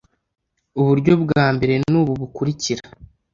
uburyo bwa mbere nubu bukurikira